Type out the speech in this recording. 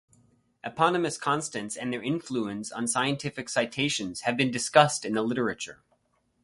Eponymous constants and their influence on scientific citations have been discussed in the literature.